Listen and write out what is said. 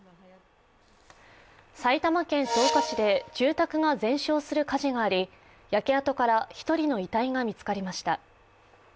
埼玉県草加市で住宅が全焼する火事があり焼け跡から１人の遺体が見つかりました。